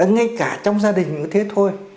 ngay cả trong gia đình như thế thôi